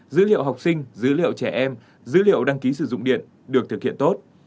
dữ liệu học sinh dữ liệu trẻ em dữ liệu đăng ký sử dụng điện được thực hiện tốt